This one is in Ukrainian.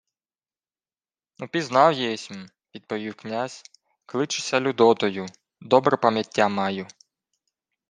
— Упізнав єсмь, — відповів князь — Кличешся Людотою. Добре пам'яття маю.